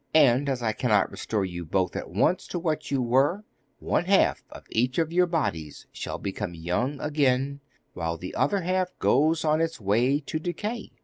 And as I cannot restore you both at once to what you were, one half of each of your bodies shall become young again, while the other half goes on its way to decay.